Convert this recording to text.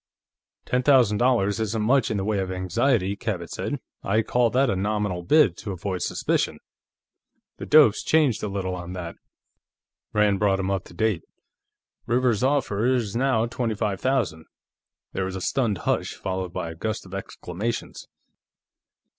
"Ten thousand dollars isn't much in the way of anxiety," Cabot said. "I'd call that a nominal bid, to avoid suspicion." "The dope's changed a little on that." Rand brought him up to date. "Rivers's offer is now twenty five thousand." There was a stunned hush, followed by a gust of exclamations.